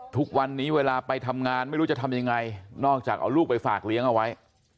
ทุกวันนี้เวลาไปทำงานไม่รู้จะทำยังไงนอกจากเอาลูกไปฝากเลี้ยงเอาไว้